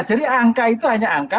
jadi angka itu hanya angka